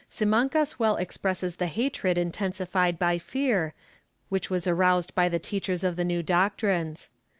Simancas well expresses the hatred intensified by fear, which was aroused by the teachers of the new doctrines.